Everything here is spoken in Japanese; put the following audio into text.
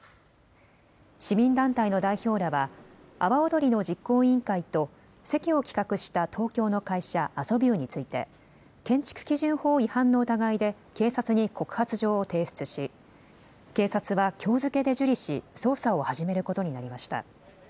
市民団体の代表らは、阿波おどりの実行委員会と席を企画した東京の会社、アソビューについて、建築基準法違反の疑いで警察に告発状を提出し、警察はきょう付けで受理し、捜査を始めることになりました。